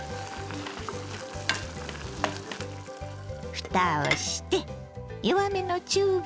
ふたをして弱めの中火。